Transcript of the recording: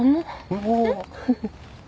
おお！